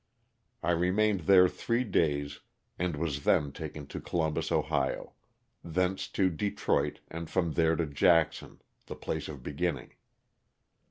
I remained there three days and was then taken to Columbus, Ohio. Thence to Detroit and from there to Jackson, the place of beginning.